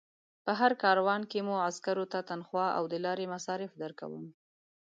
په هر کاروان کې مو عسکرو ته تنخوا او د لارې مصارف درکوم.